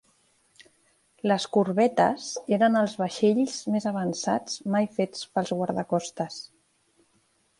Les corbetes eren els vaixells més avançats mai fets pels guardacostes.